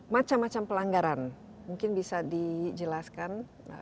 macam macam pelanggaran mungkin bisa dijelaskan